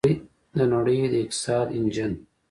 د نړۍ د اقتصاد انجن.